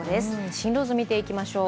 進路図を見ていきましょう。